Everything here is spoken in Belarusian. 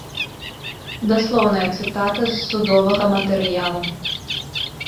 Даслоўная цытата з судовага матэрыялу.